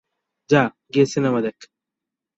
যা গিয়ে সিনেমা দেখ।